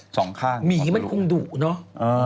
สองข้างหมีมันคงดุเนอะ